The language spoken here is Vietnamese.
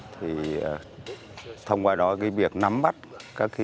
thông qua đó việc nắm mắt các sự việc